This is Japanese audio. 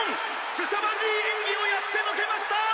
すさまじい演技をやってのけました！